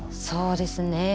そうですね